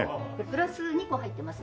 グラス２個入ってますので。